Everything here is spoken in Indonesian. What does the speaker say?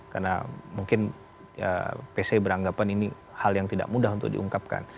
karena mungkin pc beranggapan ini hal yang tidak mudah untuk diungkapkan